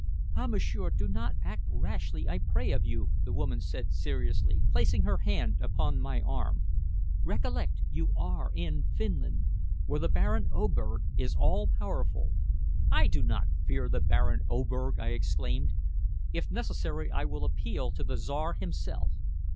"Ah, m'sieur. Do not act rashly, I pray of you," the woman said seriously, placing her hand upon my arm. "Recollect you are in Finland where the Baron Oberg is all powerful." "I do not fear the Baron Oberg," I exclaimed. "If necessary, I will appeal to the Czar himself.